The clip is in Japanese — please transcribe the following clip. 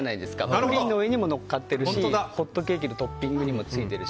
プリンの上にものってるしホットケーキのトッピングにも。